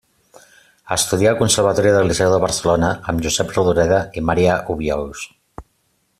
Estudià al Conservatori del Liceu de Barcelona amb Josep Rodoreda i Marià Obiols.